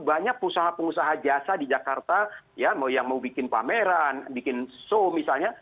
banyak pengusaha pengusaha jasa di jakarta yang mau bikin pameran bikin show misalnya